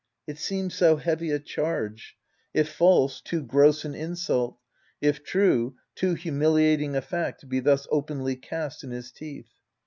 It seemed so heavy a charge : if false, too gross an insult ; if true, too humiliating a fact to be thus openly cast in his teeth.